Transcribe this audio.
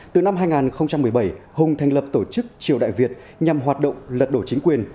từ năm hai nghìn một mươi bảy hùng thành lập tổ chức triều đại việt nhằm hoạt động lật đổ chính quyền